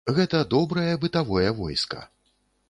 Гэта добрае бытавое войска.